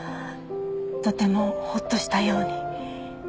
とてもほっとしたように。